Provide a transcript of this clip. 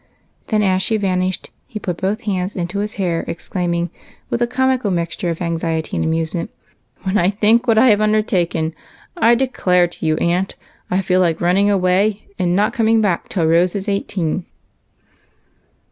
Then, as she vanished, he put both hands into his hair, exclaiming, with a comical mixture of anxiety and amusement, —" When I think what I have undertaken, I declare to you, aunt, I feel like running away and not coming back till Rose is eighteen